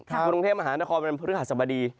ถ้ากรุงเทพมหานครเป็นภูมิหัศบดี